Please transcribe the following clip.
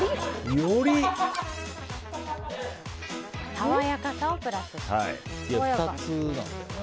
爽やかさをプラスした。